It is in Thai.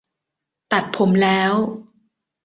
ตัดผมแล้ว